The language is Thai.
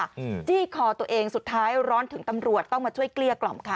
อืมจี้คอตัวเองสุดท้ายร้อนถึงตำรวจต้องมาช่วยเกลี้ยกล่อมค่ะ